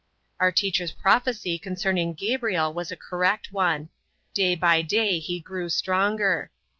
Our teacher's prophecy regarding Gabriel was a correct one. Day by day he grew stronger.